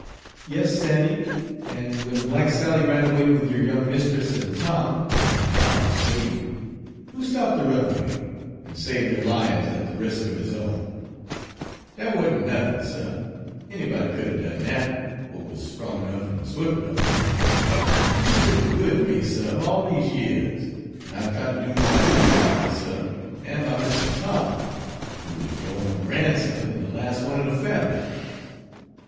"Yes, Sandy, and when black Sally ran away with your young mistress and Tom, when Tom was a baby, who stopped the runaway, and saved their lives at the risk of his own?" "Dat wa'n't nothin', suh; anybody could 'a' done dat, w'at wuz strong ernuff an' swif' ernuff. You is be'n good ter me, suh, all dese years, an' I've tried ter do my duty by you, suh, an' by Mistuh Tom, who wuz yo' own gran'son, an' de las' one er de fam'ly."